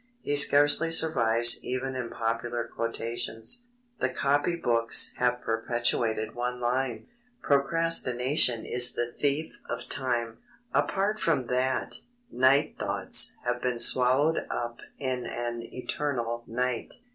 He scarcely survives even in popular quotations. The copy books have perpetuated one line: Procrastination is the thief of time. Apart from that, Night Thoughts have been swallowed up in an eternal night.